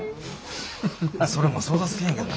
それも想像つけへんけどな。